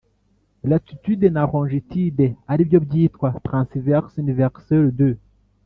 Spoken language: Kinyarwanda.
Latitude na longitude ari byo byitwa Transverse universelle de